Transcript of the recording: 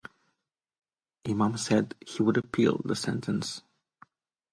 Imam said he would appeal the sentence.